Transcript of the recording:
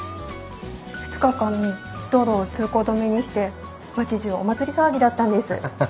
２日間道路を通行止めにして町じゅうお祭り騒ぎだったんです。